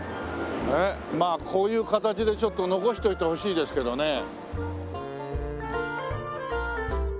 まあこういう形でちょっと残しておいてほしいですけどね。